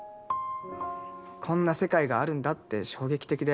こんな世界があるんだって衝撃的で。